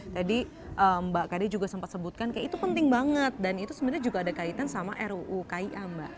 tadi mbak kadi juga sempat sebutkan kayak itu penting banget dan itu sebenarnya juga ada kaitan sama ruu kia mbak